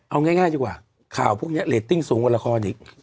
เอาง่ายดีกว่าข่าวพวกนี้เรตติ้งสูงกว่าละครอีก